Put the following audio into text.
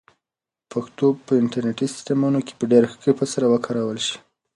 پښتو به په انټرنیټي سیسټمونو کې په ډېر ښه کیفیت سره وکارول شي.